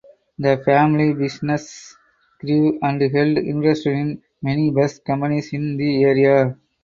The family business grew and held interests in many bus companies in the area.